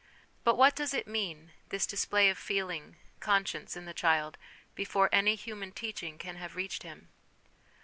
But what does it mean, this display of feeling, conscience, in the child, before any human teaching can have reached him